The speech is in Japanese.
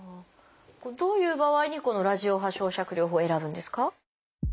どういう場合にこのラジオ波焼灼療法を選ぶんですか？